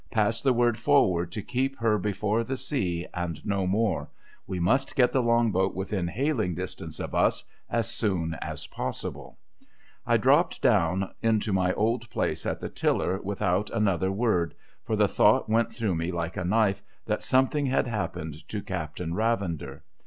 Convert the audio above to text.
Pass the word forward to keep her before the sea, and no more. We must get the Long boat within hailing distance of us, as soon as possible.' I dropped down into my old place at the tiller without another word— for the thought went through me like a knife that something liad happened to Captain Ravender.